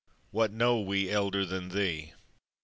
What know we elder than thee?